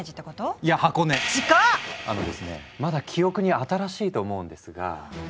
あのですねまだ記憶に新しいと思うんですが。